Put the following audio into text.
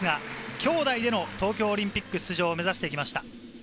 兄弟での東京オリンピック出場を目指してきました。